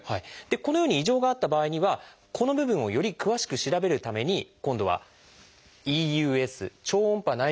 このように異常があった場合にはこの部分をより詳しく調べるために今度は「ＥＵＳ」を行います。